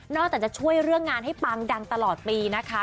จะช่วยเรื่องงานให้ปังดังตลอดปีนะคะ